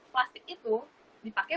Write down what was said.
plastik itu dipakai